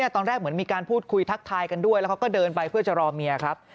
ตอนแรกเหมือนมีการพูดคุยทักทายกันด้วยแล้วเขาก็เดินไปเพื่อจะรอเมียครับ